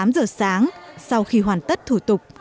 tám giờ sáng sau khi hoàn tất thủ tục